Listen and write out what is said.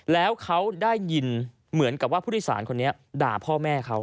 แล้วเขาได้ยินเหมือนกับว่าผู้โดยสารคนนี้ด่าพ่อแม่เขา